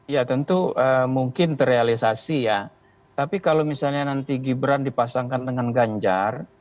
ya tentu mungkin terrealisasi ya tapi kalau misalnya nanti gibran dipasangkan dengan ganjar